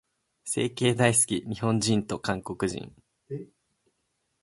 整形大好き、日本人と韓国人。